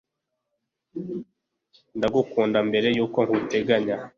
ndagukunda mbere yuko nguteganya